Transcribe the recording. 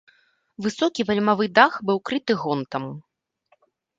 Высокі вальмавы дах быў крыты гонтам.